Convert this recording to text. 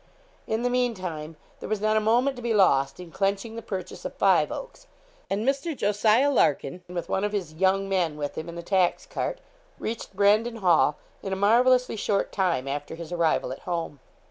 In the meantime there was not a moment to be lost in clenching the purchase of Five Oaks. And Mr. Jos. Larkin, with one of his 'young men' with him in the tax cart, reached Brandon Hall in a marvellously short time after his arrival at home.